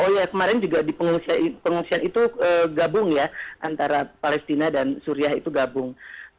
oh ya kemarin juga di pengungsian itu gabung ya antara palestina dan suriah itu gabung